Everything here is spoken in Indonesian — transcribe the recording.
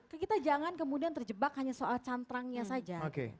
ke kita jangan kemudian terjebak hanya soal cantrangnya saja